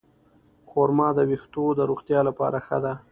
خرما د ویښتو د روغتیا لپاره ښه ده.